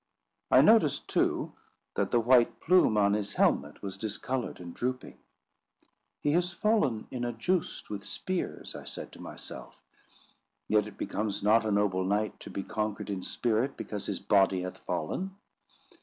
I noticed, too, that the white plume on his helmet was discoloured and drooping. "He has fallen in a joust with spears," I said to myself; "yet it becomes not a noble knight to be conquered in spirit because his body hath fallen."